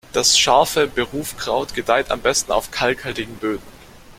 Das Scharfe Berufkraut gedeiht am besten auf kalkhaltigen Böden.